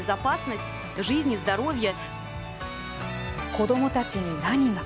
子どもたちに何が。